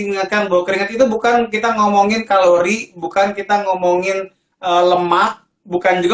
ingatkan bahwa keringat itu bukan kita ngomongin kalori bukan kita ngomongin lemak bukan juga